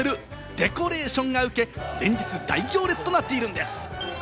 デコレーションがうけ、連日大行列となっているんです。